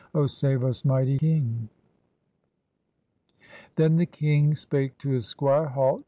Oh! save us, mighty King!" i6i EGYPT Then the King spake to his squire, "Halt!